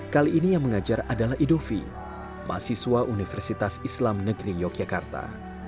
kali ini yang mengajar adalah idovi mahasiswa universitas islam negeri yogyakarta